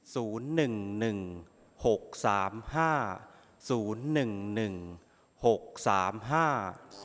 ศูนย์หนึ่งหนึ่งหกสามห้าศูนย์หนึ่งหนึ่งหกสามห้า